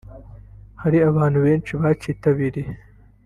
hari abantu benshi bacyitabiriye